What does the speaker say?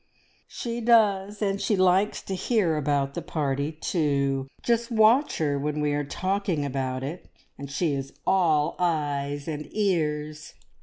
"She does, and she likes to hear about the party, too! Just watch her when we are talking about it, and she is all eyes and ears.